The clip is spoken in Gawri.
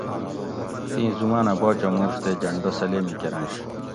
تیں زمانہ باچہ مورش تے جھنڈہ سلیمی کۤرںش